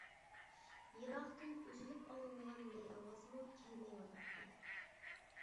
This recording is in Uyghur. يىراقتىن ئۈزۈلۈپ ئاڭلىنىدىغان نەي ئاۋازىمۇ كەلمەيۋاتاتتى.